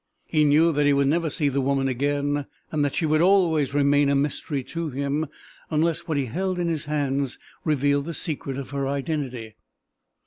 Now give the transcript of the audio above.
He knew that he would never see the woman again, and that she would always remain a mystery to him unless what he held in his hands revealed the secret of her identity.